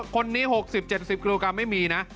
คนนี้๖๐๗๐กิโลกรัมไม่มีนะ